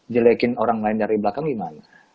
jelekin orang lain dari belakang gimana